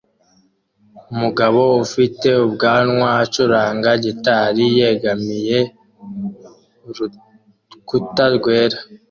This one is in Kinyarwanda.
Umugabo ufite ubwanwa acuranga gitari yegamiye urukuta rwera